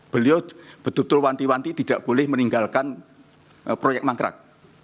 beliau betul betul wanti wanti tidak boleh meninggalkan proyek mangkrak